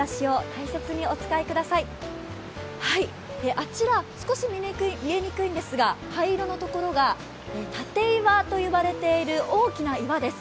あちら、少し見えにくいんですが灰色の所が楯岩と言われている大きな岩です。